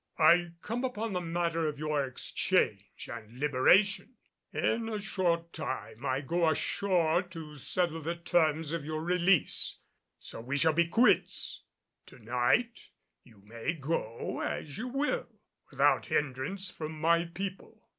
"I come upon the matter of your exchange and liberation. In a short time I go ashore to settle the terms of your release; so we shall be quits. To night you may go as you will without hindrance from my people."